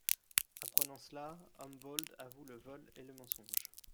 Apprenant cela, Humboldt avoue le vol et le mensonge.